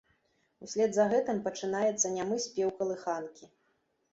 Услед за гэтым пачынаецца нямы спеў калыханкі.